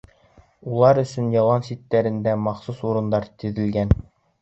Улар өсөн ялан ситтәрендә махсус урындыҡтар теҙелгән.